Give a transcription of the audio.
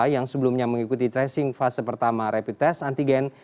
yang sebelumnya mengikuti tracing fase pertama rapid test antigen